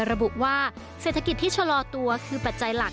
ระบุว่าเศรษฐกิจที่ชะลอตัวคือปัจจัยหลัก